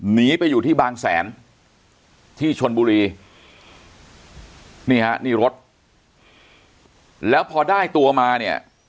หนีไปอยู่ที่บางแสนที่ชนบุรีนี่ฮะนี่รถแล้วพอได้ตัวมาเนี่ย